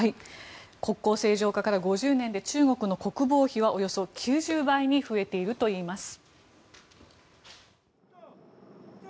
国交正常化から５０年で中国の国防費はおよそ９０倍に増えているといいます。